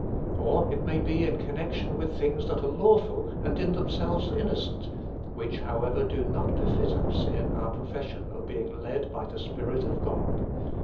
Or it may be in connection with things that are lawful and in themselves innocent, which, however, do not befit us in our profession of 8 114 THE FULL BLESSING OF PENTECOST being led by the Spirit of God.